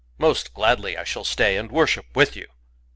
Most gladly I shall stay, and worship with you."